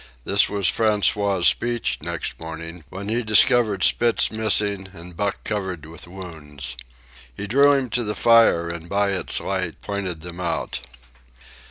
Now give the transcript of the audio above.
This was François's speech next morning when he discovered Spitz missing and Buck covered with wounds. He drew him to the fire and by its light pointed them out.